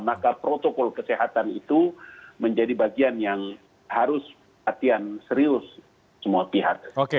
maka protokol kesehatan itu menjadi bagian yang harus hatian serius semua pihak